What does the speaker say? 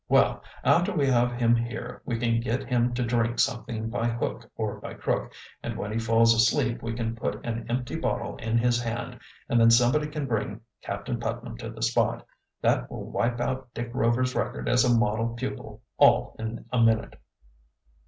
Well, after we have him here we can get him to drink something by hook or by crook, and when he falls asleep we can put an empty bottle in his hand and then somebody can bring Captain Putnam to the spot. That will wipe out Dick Rover's record as a model pupil all in a minute."